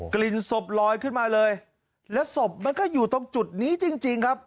กลิ่นศพลอยขึ้นมาเลยแล้วศพมันก็อยู่ตรงจุดนี้จริงจริงครับ